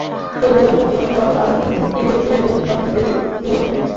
চলতি বছর মূলত আবাসন খাতই চীনের অর্থনীতির মূল চালিকা শক্তিতে পরিণত হয়েছে।